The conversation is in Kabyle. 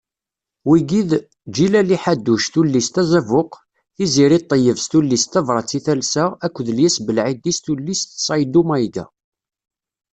Wigi d: Ǧilali Ḥaddouc tullist Azabuq, Tiziri Ṭeyeb s tullist Tabrat i talsa akked Lyas Belɛidi s tullist Ṣayddu Mayga.